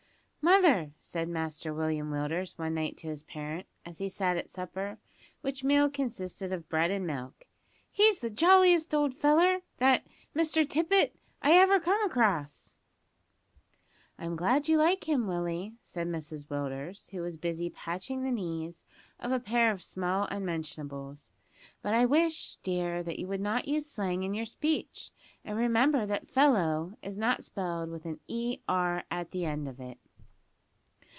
"Mother," said Master William Willders one night to his parent, as he sat at supper which meal consisted of bread and milk; "he's the jolliest old feller, that Mr Tippet, I ever came across." "I'm glad you like him, Willie," said Mrs Willders, who was busy patching the knees of a pair of small unmentionables; "but I wish, dear, that you would not use slang in your speech, and remember that fellow is not spelt with an e r at the end of it."